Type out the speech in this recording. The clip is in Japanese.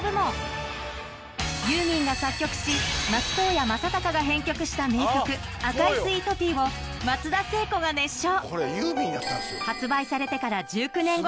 ユーミンが作曲し松任谷正隆が編曲した名曲『赤いスイートピー』を松田聖子が熱唱